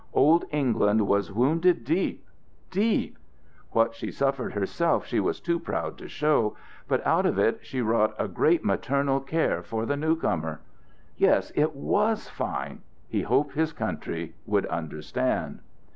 Old England was wounded deep deep. What she suffered herself she was too proud to show; but out of it she wrought a great maternal care for the newcomer. Yes, it was fine he hoped his country would understand.